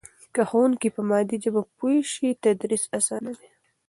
که ښوونکی په مادي ژبه پوه سي تدریس اسانه دی.